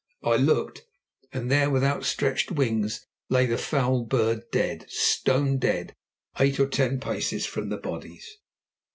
I looked, and there with outstretched wings lay the foul bird dead, stone dead, eight or ten paces from the bodies.